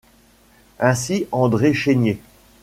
Ainsi André Chénier.